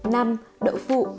năm đậu phụ